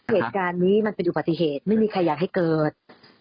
เหตุการณ์นี้มันเป็นอุบัติเหตุไม่มีใครอยากให้เกิด